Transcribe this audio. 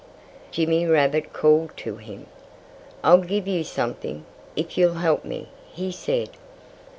Jimmy Rabbit called to him. "I'll give you something, if you'll help me," he said.